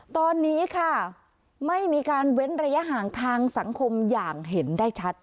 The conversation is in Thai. ตอนนี้ค่ะไม่มีการเว้นระยะห่างทางสังคมอย่างเห็นได้ชัด